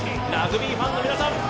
ラグビーファンの皆さん